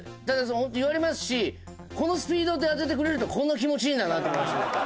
本当言われますしこのスピードで当ててくれるとこんな気持ちいいんだなって思いますね。